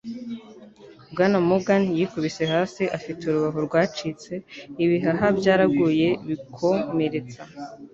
Bwana Morgan yikubise hasi afite urubavu rwacitse, ibihaha byaraguye bikomeretsa